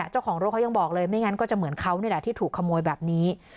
เจ้าของรถเขายังบอกเลยไม่งั้นก็จะเหมือนเขานี่แหละที่ถูกขโมยแบบนี้